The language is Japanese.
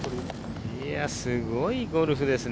すごいゴルフですね。